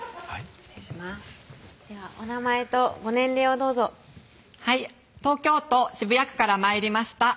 失礼しますではお名前とご年齢をどうぞはい東京都渋谷区から参りました